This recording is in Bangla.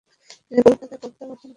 তিনি কলকাতা প্রত্যাবর্তন করেন।